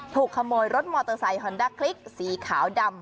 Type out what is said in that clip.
ถูกขโมยรถมอเตอร์ไซค์ฮอนดาคลิกสีขาวดำ